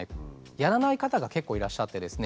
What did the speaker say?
やらない方が結構いらっしゃってですね